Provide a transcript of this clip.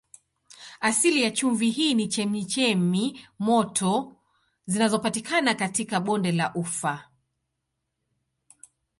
Asili ya chumvi hii ni chemchemi moto zinazopatikana katika bonde la Ufa.